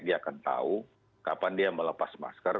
dia akan tahu kapan dia melepas masker